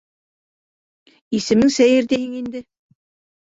Исемең сәйер тиһең инде...